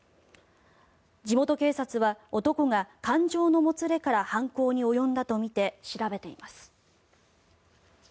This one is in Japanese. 地元警察は男が感情のもつれから犯行に及んだとみて調べています。